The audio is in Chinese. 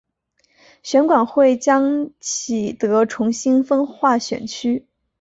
选管会将启德重新分划选区。